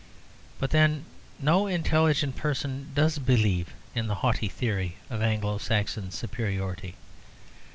But, then, no intelligent person does believe in the haughty theory of Anglo Saxon superiority.